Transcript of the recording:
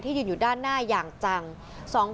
ยืนอยู่ด้านหน้าอย่างจัง